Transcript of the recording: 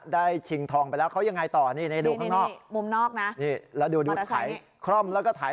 ได้ชิงทองไปแล้วเขายังไงต่อ